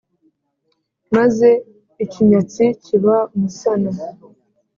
Maze ikinyatsi kiba umusana.